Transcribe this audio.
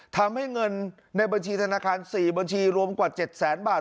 ทำให้เงินในบัญชีธนาคาร๔บัญชีรวมกว่า๗แสนบาท